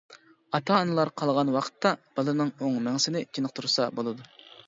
ئاتا-ئانىلار قالغان ۋاقىتتا بالىنىڭ ئوڭ مېڭىسىنى چېنىقتۇرسا بولىدۇ.